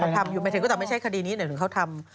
เขาทำอยู่แต่ไม่ใช่คดีนี้ไหนถึงเขาทำ